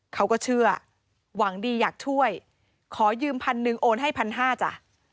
เขาก็เชื่อหวังดีอยากช่วยขอยืมพันหนึ่งโอนให้พันห้าจ้ะ